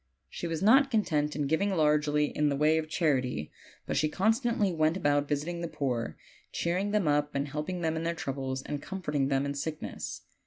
She was not content in giv ing largely in the way of charity, but she constantly went about visiting the poor, cheering them up and helping them in their troubles, and comforting them in sickness.